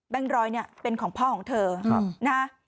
ร้อยเนี่ยเป็นของพ่อของเธอนะ